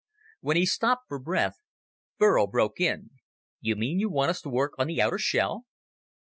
When he stopped for breath, Burl broke in. "You mean you want us to work on the outer shell?"